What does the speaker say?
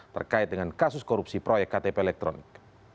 terkait dengan kasus korupsi proyek ktp elektronik